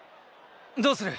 どうする？